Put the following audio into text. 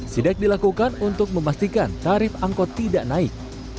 siedek dilakukan untuk memastikan tarif angkut tidak naik